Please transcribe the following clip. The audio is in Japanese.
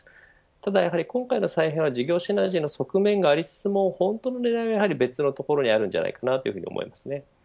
ただやはり、今回の再編は事業シナジーの側面がありつつも本当の狙いは別のところにあるんじゃないかなというふうに思います。